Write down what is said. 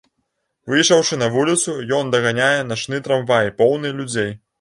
Выйшаўшы на вуліцу, ён даганяе начны трамвай поўны людзей.